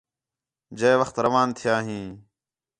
جئے وخت روان تِھیا ہیں